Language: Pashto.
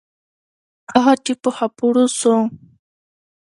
هغه چې په خاپوړو سو.